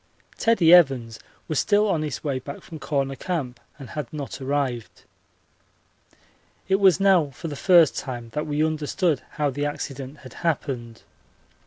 Teddie Evans was still on his way back from Corner Camp and had not arrived. It was now for the first time that we understood how the accident had happened.